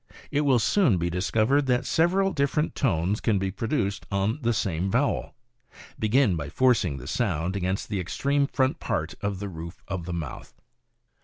It will soon be discovered that several different tones can be produced on the same vowel. Begin by forcing the sound against the extreme front part of the roof of the mouth.